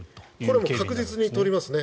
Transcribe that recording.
これは確実に取りますね。